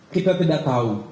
kita tidak tahu